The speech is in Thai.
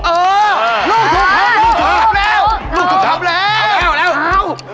เออลูกถูกทำแล้ว